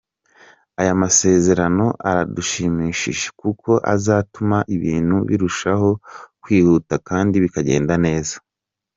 Aya masezerano aradushimishije kuko azatuma ibintu birushaho kwihuta kandi bikagenda neza.